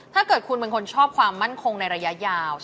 ถ้าเกิดคุณเป็นคนชอบความมั่นคงในระยะยาว